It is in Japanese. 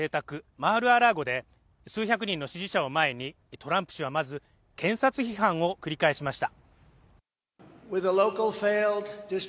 マール・ア・ラーゴで数百人の支持者を前にトランプ氏はまず、検察批判を繰り返しました。